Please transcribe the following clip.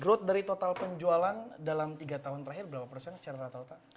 growth dari total penjualan dalam tiga tahun terakhir berapa persen secara rata rata